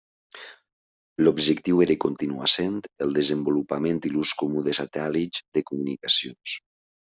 L'objectiu era i continua sent el desenvolupament i l'ús comú de satèl·lits de comunicacions.